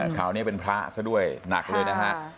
คราวนี้เป็นพระซะด้วยหนักเลยนะฮะ